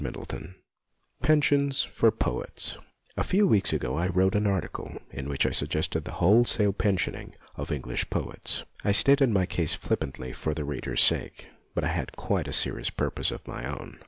VIII PENSIONS FOR POETS A FEW weeks ago I wrote an article, in which I suggested the wholesale pensioning of Eng lish poets. I stated my case flippantly for the reader's sake, but I had quite a serious purpose of my own.